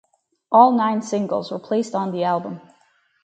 All nine singles were placed on the album.